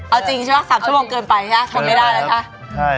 เอาจริงใช่ป่ะสามชั่วโมงเกินไปจ้าขอบไม่ได้เลยค่ะใช่